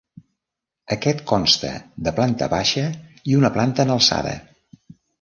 Aquest consta de planta baixa i una planta en alçada.